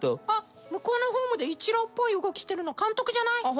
あっ向こうのホームでイチローっぽい動きしてるの監督じゃない？